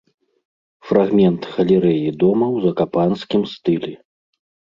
Фрагмент галерэі дома ў закапанскім стылі.